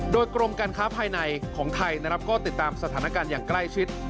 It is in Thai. โดยกรมการค้าภายในของไทยนะครับก็ติดตามสถานการณ์อย่างใกล้ชิด